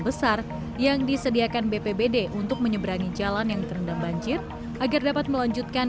besar yang disediakan bpbd untuk menyeberangi jalan yang terendam banjir agar dapat melanjutkan